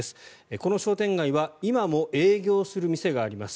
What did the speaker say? この商店街は今も営業する店があります。